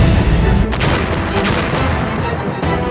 aku akan menangkanmu